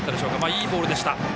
いいボールでした。